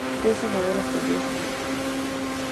Fue senador hasta el día de su muerte.